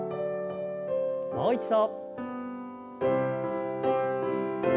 もう一度。